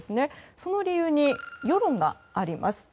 その理由に世論があります。